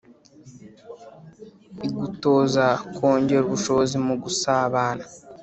igutoza kongera ubushobozi mu gusabana